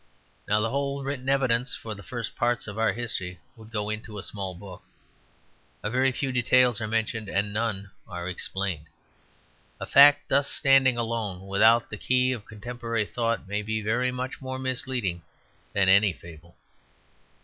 Now the whole written evidence for the first parts of our history would go into a small book. A very few details are mentioned, and none are explained. A fact thus standing alone, without the key of contemporary thought, may be very much more misleading than any fable.